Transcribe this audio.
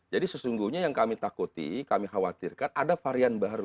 jadi sesungguhnya yang kami takuti kami khawatirkan ada varian baru